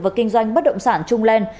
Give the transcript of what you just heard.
và kinh doanh bất động sản trung len